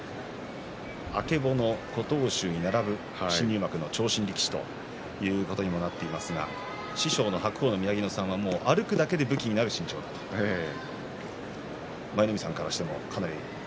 曙、琴欧洲に並ぶ新入幕の長身力士ということになっていますが師匠の白鵬の宮城野さんはもう歩くだけで武器になると話していました。